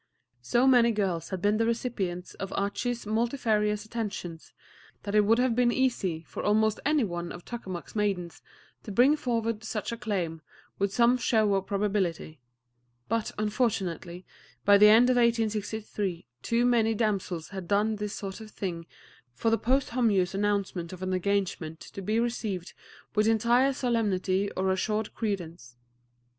So many girls had been the recipients of Archie's multifarious attentions that it would have been easy for almost any one of Tuskamuck's maidens to bring forward such a claim with some show of probability; but unfortunately, by the end of 1863 too many damsels had done this sort of thing for the posthumous announcement of an engagement to be received with entire solemnity or assured credence.